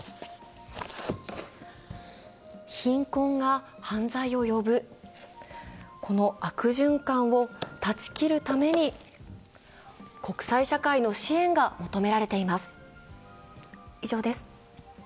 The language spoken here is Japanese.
貧困が犯罪を呼ぶ、この悪循環を断ち切るために国際社会の支援が求められています。